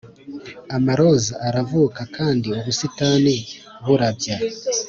amaroza aravuka kandi ubusitani burabya;